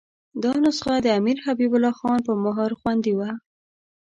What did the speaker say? دا نسخه د امیر حبیب الله خان په مهر خوندي وه.